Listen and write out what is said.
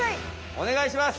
おねがいします！